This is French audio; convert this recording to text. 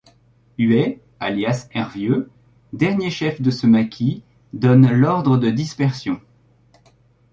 Huet, alias Hervieux, dernier chef de ce maquis, donne l'ordre de dispersion.